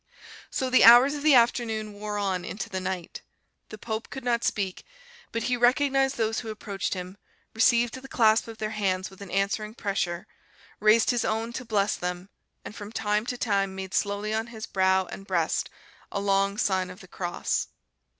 So the hours of the afternoon wore on into the night. The pope could not speak, but he recognized those who approached him, received the clasp of their hands with an answering pressure, raised his own to bless them, and from time to time made slowly on his brow and breast a long sign of the cross.